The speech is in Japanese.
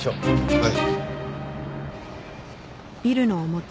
はい。